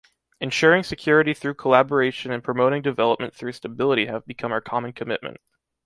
Ensuring security through collaboration and promoting development through stability have become our common commitment.